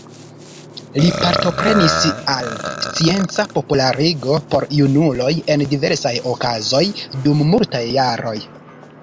Li partoprenis al scienca popularigo por junuloj en diversaj okazoj dum multaj jaroj.